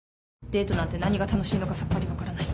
デートなんて何が楽しいのかさっぱり分からない。